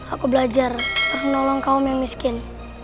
aku belajar menolong kaum yang miskin